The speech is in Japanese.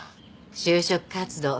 就職活動